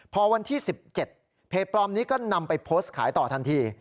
พอวันที่๑๗เพจปลอมนี้ก็นำไปโพสต์ขายต่อทันที